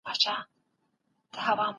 مولوي عبدالمجيد کاکړ دوست محمد خټک